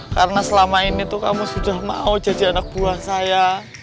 karena selama ini kamu sudah mau jadi anak buah saya